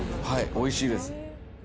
おいしいです。